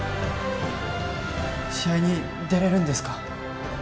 試合に出れるんですか？